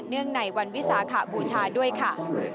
เนื่องในวันวิสาขบูชาด้วยค่ะ